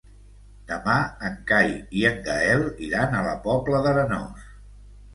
Demà en Cai i en Gaël iran a la Pobla d'Arenós.